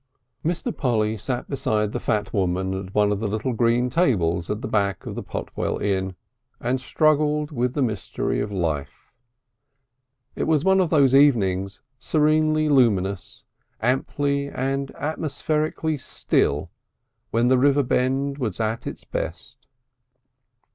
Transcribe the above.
III Mr. Polly sat beside the fat woman at one of the little green tables at the back of the Potwell Inn, and struggled with the mystery of life. It was one of those evenings, serenely luminous, amply and atmospherically still, when the river bend was at its best.